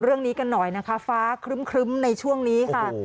เรื่องนี้กันหน่อยนะคะฟ้าครึ้มในช่วงนี้ค่ะ